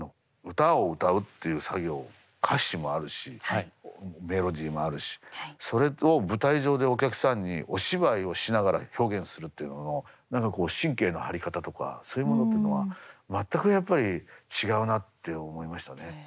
歌を歌うっていう作業歌詞もあるしメロディーもあるしそれと舞台上でお客さんにお芝居をしながら表現するっていうのの何かこう神経の張り方とかそういうものっていうのは全くやっぱり違うなって思いましたね。